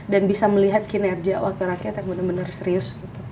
dan bisa melihat kinerja wakil rakyat yang bener bener serius gitu